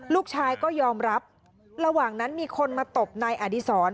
ลูกชายก็ยอมรับระหว่างนั้นมีคนมาตบนายอดีศร